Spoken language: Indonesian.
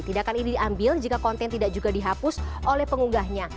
tindakan ini diambil jika konten tidak juga dihapus oleh pengunggahnya